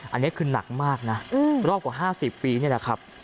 อันนี้คือหนักมากนะรอบกว่า๕๐ปีนี่แหละครับ